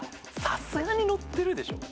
さすがに載ってるでしょ。